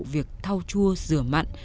việc thau chua rửa mặn